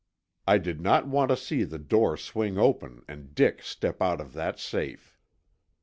I did not want to see the door swing open and Dick step out of that safe.